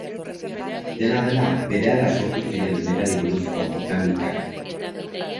Dena dela, berehala sortu ziren berari buruzko ika-mikak.